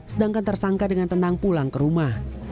sedangkan tersangka dengan tenang pulang ke rumah